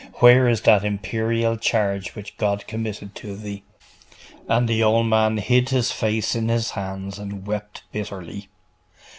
Where is that imperial charge which God committed to thee?"'.... And the old man hid his face in his hands and wept bitterly.